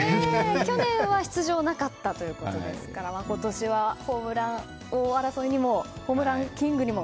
去年は出場なかったということですから今年はホームラン王争いホームランキングにも